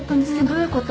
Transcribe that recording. どういうこと？